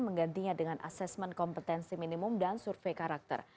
menggantinya dengan asesmen kompetensi minimum dan survei karakter